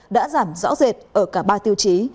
đã giảm rõ rệt ở cả ba tiêu chí